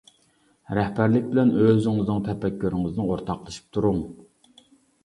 رەھبەرلىك بىلەن ئۆزىڭىزنىڭ تەپەككۇرىڭىزنى ئورتاقلىشىپ تۇرۇڭ.